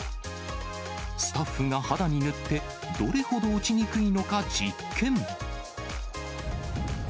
スタッフが肌に塗ってどれほど落ちにくいのか実験。